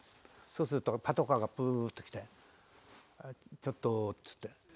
そうするとパトカーがプーッと来て「ちょっと」っつって。